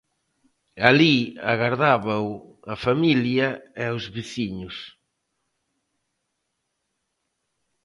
Alí agardábao a familia e os veciños.